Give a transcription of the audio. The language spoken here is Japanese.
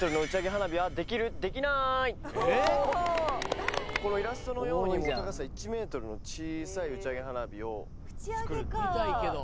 さらにこのイラストのように高さ１ｍの小さい打ち上げ花火を作る。